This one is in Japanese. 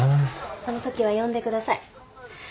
その時は呼んでください。